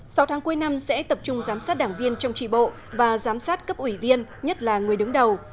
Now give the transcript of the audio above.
sau tháng cuối năm sẽ tập trung giám sát đảng viên trong trị bộ và giám sát cấp ủy viên nhất là người đứng đầu